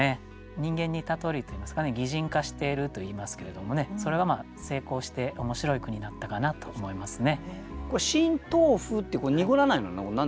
人間にたとえるといいますかね擬人化しているといいますけれどもねそれが成功して面白い句になったかなと思いますね。